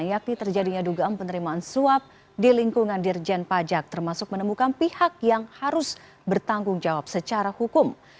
yakni terjadinya dugaan penerimaan suap di lingkungan dirjen pajak termasuk menemukan pihak yang harus bertanggung jawab secara hukum